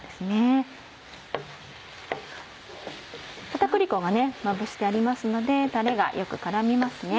片栗粉がまぶしてありますのでたれがよく絡みますね。